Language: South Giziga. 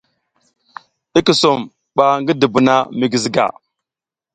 I kusom ba ngi dubuna mi giziga.